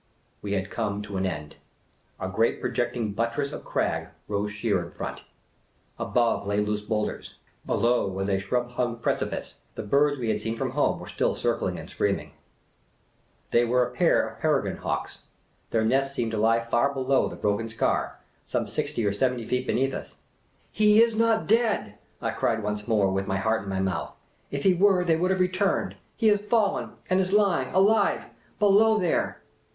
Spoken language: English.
We had come to an end. A great projecting buttress of crag rose sheer in front. Above lay loose boulders. Below was a shrub hung precipice. The birds we had seen from home were still circling and screaming. The Impromptu Mountaineer 135 They were a pair of peregrine hawks. Their iiest seemed to lie far below the broken scar, some sixty or seventy feet beneath us. " He is not ), dead !" I cried J ( f/ once more, with (,' my heart in my mouth. " If he were, they would have returned. He has fallen, and is lying, alive, below there!"